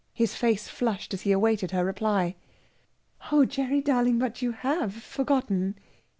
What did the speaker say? His face flushed as he awaited her reply. "Oh, Gerry darling! but you have forgotten.